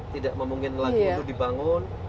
tidak mungkin lagi dibangun